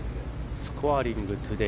スコアリングトゥデー